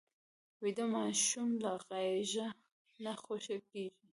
ویده ماشوم له غېږه نه خوشې کېږي